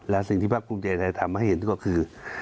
และสิ่งที่ภาคภูมิใจไทยทำให้เห็นก็คือ